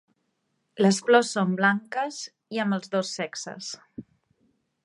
Les flors són blanques i amb els dos sexes.